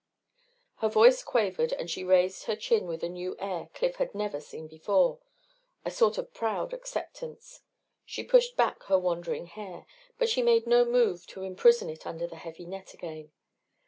Her voice quavered and she raised her chin with a new air Cliff had never seen before a sort of proud acceptance. She pushed back her wandering hair, but she made no move to imprison it under the heavy net again.